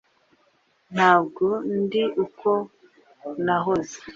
ntabwo ndi uko nahoze.